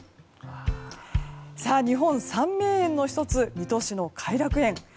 日本三名園の１つ水戸市の偕楽園。